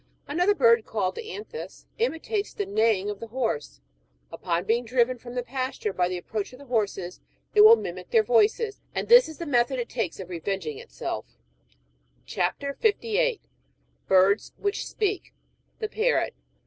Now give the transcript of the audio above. Another bird, called the '' anthus,"*^^ imitates the neighing of the horse ; upon being driven from the pasture by the approach of the horses, it will mimic their voices — and this is the method it takes of revenging itself. CHAP. 58. BIRDS WHICH SPEAK THE PARROT.